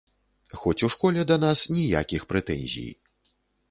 Хоць у школе да нас ніякіх прэтэнзій.